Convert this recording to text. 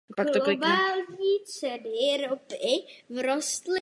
Globální ceny ropy vzrostly po útoku o více než čtyři procenta.